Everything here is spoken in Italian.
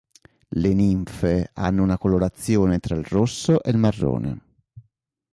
Le ninfe hanno una colorazione tra il rosso ed il marrone.